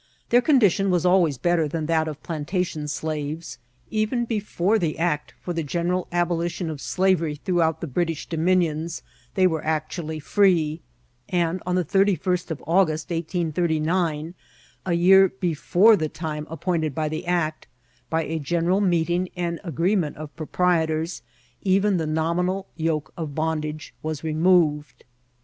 Their condition was always better than that of plantation slaves ; even before the act for the general abolition of slavery throughout the British dominions, they wero actually free ; and, on the thirty first of August, ISSO^ a year before the time appointed by the act, by a gen eral meeting and agreement of proprietors, even the nominal yoke of bondage was removed.